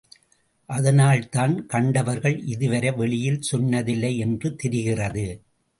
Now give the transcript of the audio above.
அதனால்தான் கண்டவர்கள் இதுவரை வெளியில் சொன்னதில்லை என்று தெரிகிறது.